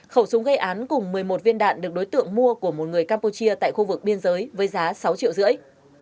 khẩu súng gây án cùng một mươi một viên đạn được đối tượng mua của một người campuchia tại khu vực biên giới với giá sáu triệu rưỡi